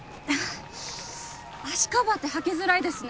足カバーって履きづらいですね。